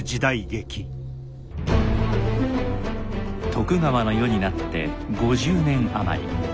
徳川の世になって５０年余り。